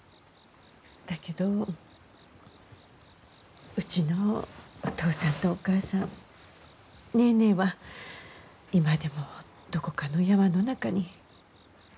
だけどうちのお父さんとお母さんネーネーは今でもどこかの山の中に。